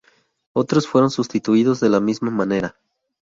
Otros fueron sustituidos de la misma manera.